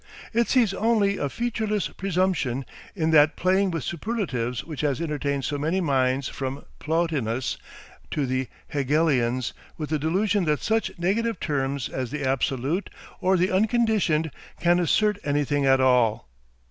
It sees only a featureless presumption in that playing with superlatives which has entertained so many minds from Plotinus to the Hegelians with the delusion that such negative terms as the Absolute or the Unconditioned, can assert anything at all.